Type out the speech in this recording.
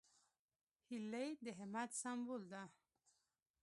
هیلۍ د همت سمبول ده